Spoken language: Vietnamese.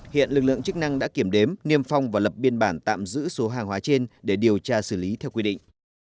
hiện lực lượng chức năng đã kiểm đếm niêm phong và lập biên bản tạm giữ số hàng hóa trên để điều tra xử lý theo quy định